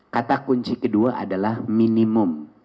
kata kunci kedua adalah minimum